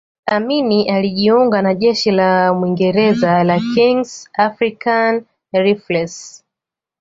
Amin alijiunga na Jeshi la Mwingereza la Kings African Rifles